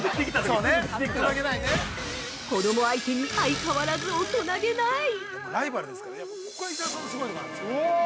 ◆子供相手に相変わらず大人げない